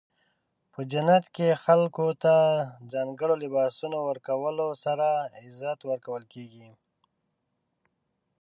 په جنت کې خلکو ته د ځانګړو لباسونو ورکولو سره عزت ورکول کیږي.